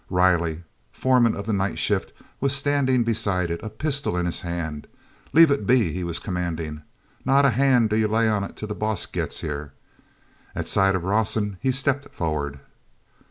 iley, foreman of the night shift, was standing beside it, a pistol in his hand. "L'ave it be," he was commanding. "Not a hand do ye lay on it till the boss gets here." At sight of Rawson he stepped forward.